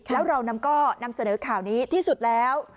แล้วเราก็นำเสนอข่าวนี้ที่สุดแล้ว